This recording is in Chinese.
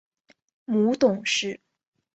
母董氏。